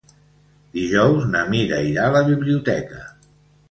Dijous na Mira irà a la biblioteca.